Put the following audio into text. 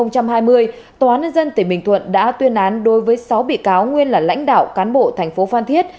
thủ tướng bình thuận đã tuyên án đối với sáu bị cáo nguyên là lãnh đạo cán bộ thành phố phan thiết